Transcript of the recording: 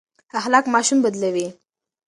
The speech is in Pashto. ښه اخلاق ماشوم بدلوي.